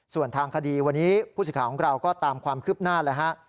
ส่วนทางคดีวันนี้ผู้สิทธิ์ของเราก็ตามความคืบหน้าเลยฮะ